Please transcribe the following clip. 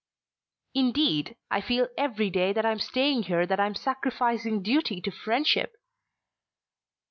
"Indeed, I feel every day that I am staying here that I am sacrificing duty to friendship."